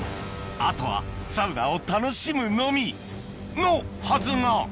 あとはサウナを楽しむのみのはずが！